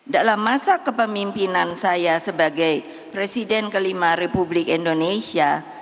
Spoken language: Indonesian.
dalam masa kepemimpinan saya sebagai presiden kelima republik indonesia